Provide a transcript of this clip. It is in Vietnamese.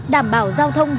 đảm bảo giao thông và hành vi